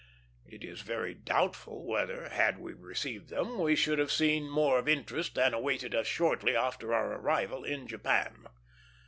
It is very doubtful whether, had we received them, we should have seen more of interest than awaited us shortly after our arrival in Japan.